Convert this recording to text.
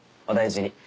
お大事に。